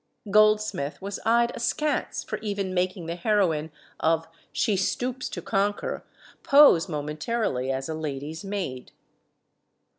Goldsmith was eyed askance for even making the heroine of "She Stoops to Conquer" pose momentarily as a lady's maid.